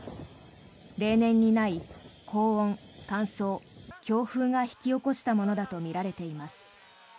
例年にない高温、乾燥、強風が引き起こしたものだとみられています。